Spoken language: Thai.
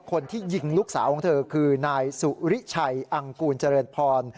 คนที่ยิงลูกสาวของเธอคือนายสุริชัยอังกูลเจริญพร